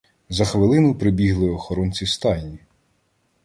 За хвилину прибігли охоронці стайні.